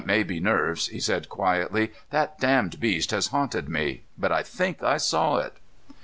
"It may be nerves," he said quietly. "That damned beast has haunted me, but I think I saw it."